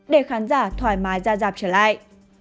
để khán giả thoải mái ra giảm trở lại